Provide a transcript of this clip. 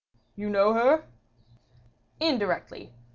"You know her?" "Indirectly.